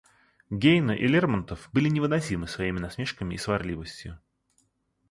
Гейне и Лермонтов были невыносимы своими насмешками и сварливостью.